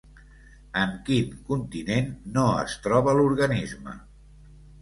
En quin continent no es troba l'organisme?